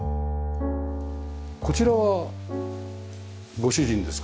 こちらはご主人ですか？